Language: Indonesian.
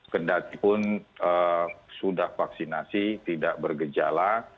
kendati pun sudah vaksinasi tidak bergejala